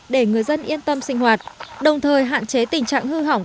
để người dân yên tâm sinh hoạt đồng thời hạn chế tình trạng hư hỏng